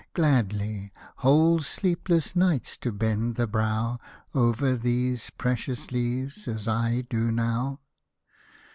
Gladly, whole sleepless nights to bend the brow Over these precious leaves, as I do now.